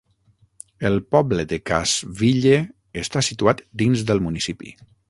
El poble de Cassville està situat dins del municipi.